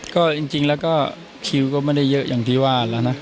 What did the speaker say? ก็จริงแล้วก็คิวก็ไม่ได้เยอะอย่างที่ว่าแล้วนะ